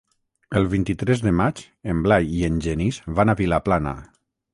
El vint-i-tres de maig en Blai i en Genís van a Vilaplana.